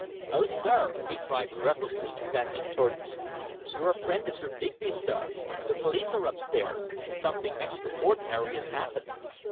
"Oh, sir!" he cried breathlessly, advancing towards me. "You're a friend of Sir Digby's sir. The police are upstairs. Something extraordinary has happened."